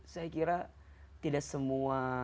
saya kira tidak semua